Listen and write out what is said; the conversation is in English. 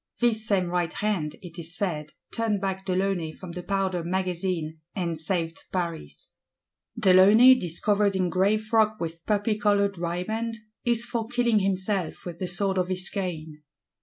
This same right hand, it is said, turned back de Launay from the Powder Magazine, and saved Paris. De Launay, "discovered in gray frock with poppy coloured riband," is for killing himself with the sword of his cane.